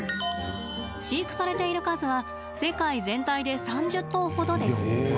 飼育されている数は世界全体で、３０頭ほどです。